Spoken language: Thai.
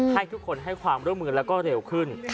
ให้ทุกคนให้ความร่วมมือแล้วก็เร็วขึ้น